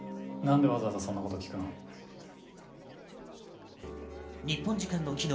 何でわざわざそんなこと聞くの？